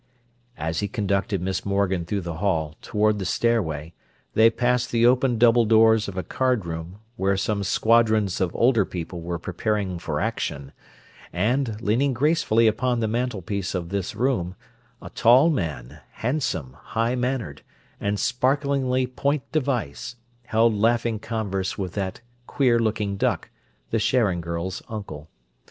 As he conducted Miss Morgan through the hall, toward the stairway, they passed the open double doors of a card room, where some squadrons of older people were preparing for action, and, leaning gracefully upon the mantelpiece of this room, a tall man, handsome, high mannered, and sparklingly point device, held laughing converse with that queer looking duck, the Sharon girls' uncle.